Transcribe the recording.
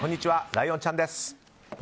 ライオンちゃんです。